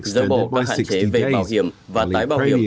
dỡ bỏ các hạn chế về bảo hiểm và tái bảo hiểm